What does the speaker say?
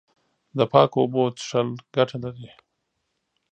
د پاکو اوبو څښل ګټه لري.